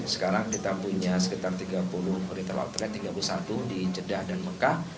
sekarang kita punya sekitar tiga puluh retail outlet tiga puluh satu di jeddah dan mekah